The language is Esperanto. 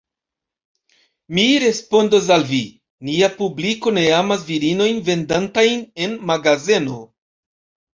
Mi respondos al vi: nia publiko ne amas virinojn vendantajn en magazeno.